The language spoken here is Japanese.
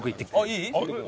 いい？